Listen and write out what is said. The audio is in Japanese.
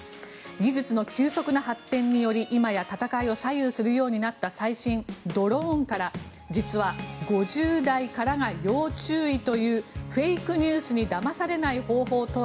技術の急速な発展により今や戦いを左右するようになった最新ドローンから実は、５０代からが要注意というフェイクニュースにだまされない情報とは。